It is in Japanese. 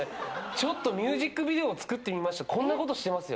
ちょっとミュージックビデオを作ってみましたってこんなことしてますよ